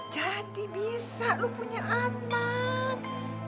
jadi bisa lu punya anak